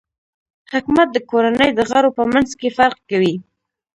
حکمت د کورنۍ د غړو په منځ کې فرق کوي.